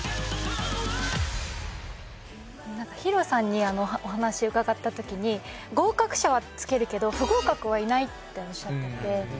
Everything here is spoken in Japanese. ＨＩＲＯさんにお話伺ったときに合格者はつけるけど不合格はいないっておっしゃってて。